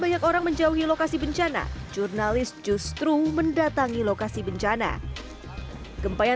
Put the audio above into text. banyak orang menjauhi lokasi bencana jurnalis justru mendatangi lokasi bencana gempa yang